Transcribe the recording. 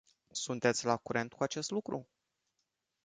Sunteți la curent cu acest lucru?